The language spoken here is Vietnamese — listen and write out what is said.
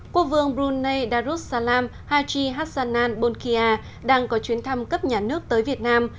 quốc vương brunei darussalam haji hassanan bolkiah đang có chuyến thăm cấp nhà nước tới việt nam